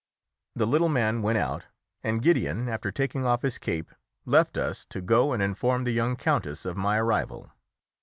The little man went out, and Gideon, after taking off his cape, left us to go and inform the young countess of my arrival.